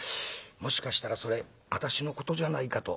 もしかしたらそれ私のことじゃないかと」。